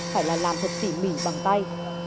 phải là làm thật tỉ mỉ bằng tay